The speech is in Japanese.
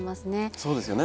そうですよね。